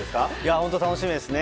本当、楽しみですね。